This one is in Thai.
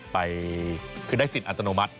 ไปคือได้สิทธิ์อัตโนมัติ